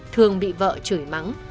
thường bị vợ chửi mắng